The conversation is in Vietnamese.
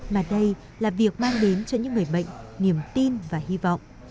mà đây là việc mang đến cho những người bệnh niềm tin và hy vọng